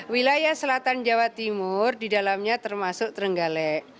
wilayah selatan jawa timur di dalamnya termasuk trenggalek